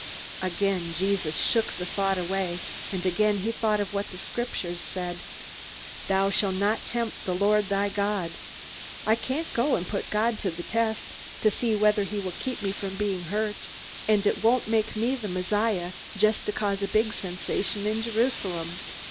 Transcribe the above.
_" Again Jesus shook the thought away, and again he thought of what the Scriptures said. "_Thou shalt not tempt the Lord thy God." I can't go and put God to the test, to see whether he will keep me from being hurt. And it won't make me the Messiah just to cause a big sensation in Jerusalem.